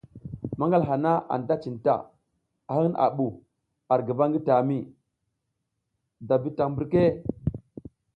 Manal haha anta cinta, a hin a bu ar guva ngi tami, da bidang mbirke?